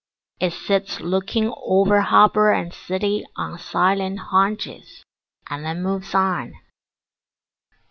It sits lookingover harbor and cityon silent haunchesand then moves on.